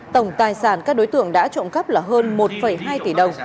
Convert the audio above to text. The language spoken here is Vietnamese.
tổng tài sản các đối tượng đã trộm cắp là hơn một hai tỷ đồng